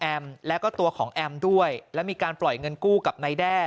แล้วก็ตัวของแอมด้วยแล้วมีการปล่อยเงินกู้กับนายแด้